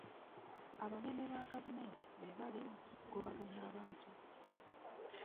Abanene ba gavumenti be bali mu kugobaganya abantu